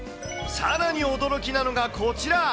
さらに驚きなのが、こちら。